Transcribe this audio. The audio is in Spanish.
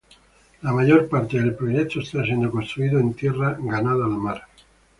La mayor parte del proyecto está siendo construido en tierra ganada al mar.